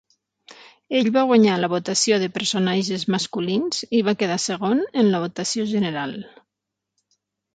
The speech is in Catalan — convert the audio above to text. Ell va guanyar la votació de personatges masculins i va quedar segon en la votació general.